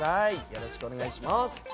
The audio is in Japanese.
よろしくお願いします。